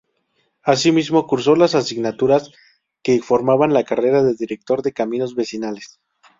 Asimismo, cursó las asignaturas que formaban la carrera de director de caminos vecinales.